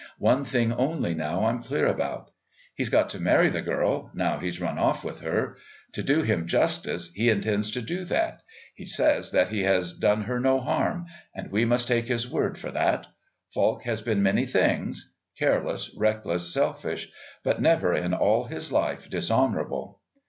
One thing only now I'm clear about. He's got to marry the girl now he's gone off with her. To do him justice he intends to do that. He says that he has done her no harm, and we must take his word for that. Falk has been many things careless, reckless, selfish, but never in all his life dishonourable.